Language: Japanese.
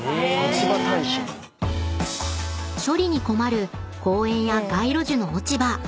［処理に困る公園や街路樹の落ち葉］